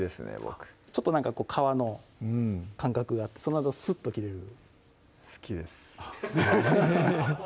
僕ちょっと皮の感覚があってそのあとすっと切れる好きです